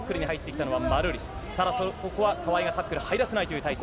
ただ、ここは川井がタックル入らせないという体勢。